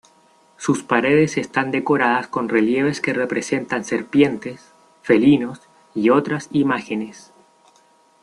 Sus paredes están decoradas con relieves que representan serpientes, felinos y otras imágenes.